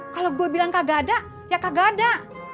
kalo gua bilang kagak ada ya kagak ada